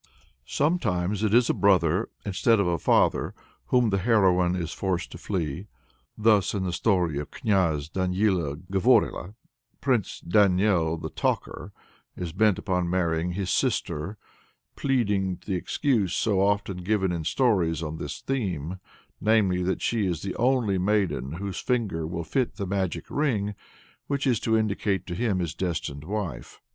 Sometimes it is a brother, instead of a father, from whom the heroine is forced to flee. Thus in the story of Kniaz Danila Govorila, Prince Daniel the Talker is bent upon marrying his sister, pleading the excuse so often given in stories on this theme, namely, that she is the only maiden whose finger will fit the magic ring which is to indicate to him his destined wife.